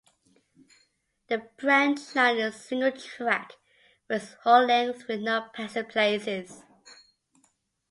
The branch line is single track for its whole length with no passing places.